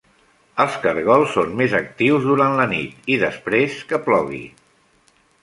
Els cargols són més actius durant la nit i després que plogui.